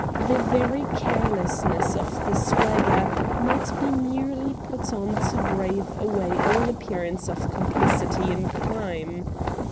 The very carelessness of the swag ger might be merely put on to brave away all appearance of comphcity in crime.